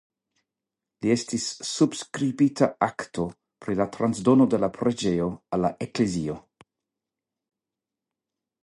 La estis subskribita akto pri la transdono de la preĝejo al la eklezio.